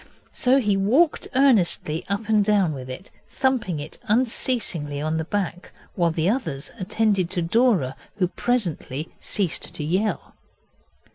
So he walked earnestly up and down with it, thumping it unceasingly on the back, while the others attended to Dora, who presently ceased to yell.